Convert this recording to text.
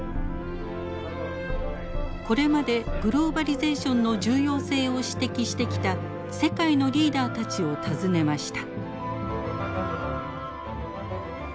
これまでグローバリゼーションの重要性を指摘してきた世界のリーダーたちを訪ねました。